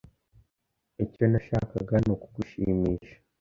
Icyo nashakaga nukugushimisha.